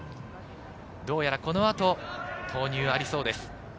どうやらこの後、投入がありそうです。